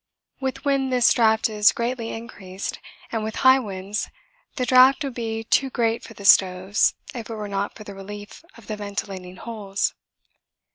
With wind this draught is greatly increased and with high winds the draught would be too great for the stoves if it were not for the relief of the ventilating holes.